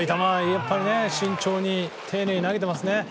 やっぱり慎重に丁寧に投げてますね。